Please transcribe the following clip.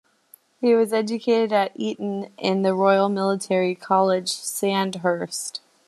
He was educated at Eton and the Royal Military College, Sandhurst.